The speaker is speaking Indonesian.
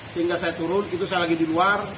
sehingga saya turun itu saya lagi di luar